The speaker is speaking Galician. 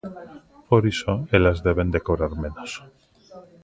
Por iso elas deben de cobrar menos.